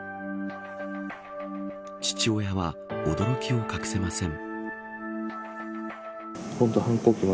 父親は驚きを隠せません。